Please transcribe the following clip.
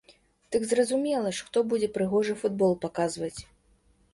Дык зразумела ж, хто будзе прыгожы футбол паказваць!